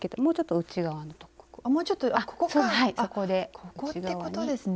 ここってことですね。